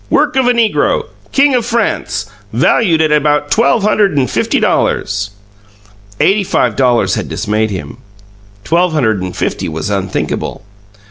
"Work of a negro!" "King of France!" "Valued at about twelve hundred and fifty dollars!" Eighty five dollars had dismayed him; twelve hundred and fifty was unthinkable.